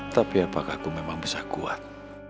tapi apakah aku memang bisa kuat